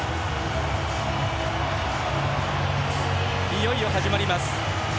いよいよ始まります。